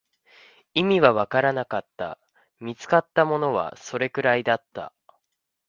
意味はわからなかった、見つかったものはそれくらいだった